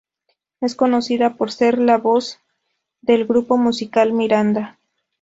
Es conocida por ser la voz del grupo musical Miranda!.